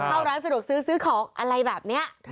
เข้าร้านสะดวกซื้อซื้อของอะไรแบบนี้